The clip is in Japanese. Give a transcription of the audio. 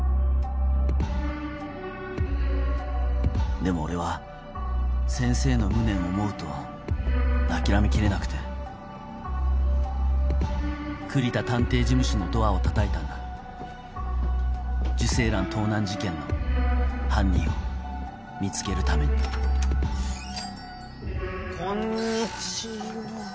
でも俺は先生の無念を思うと諦め切れなくて栗田探偵事務所のドアをたたいたんだ受精卵盗難事件の犯人を見つけるためにこんにちは。